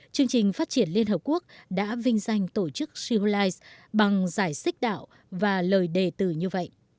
chương trình phát triển liên hợp quốc đã vinh danh tổ chức sihulais bằng giải xích đạo và lời đề từ như vậy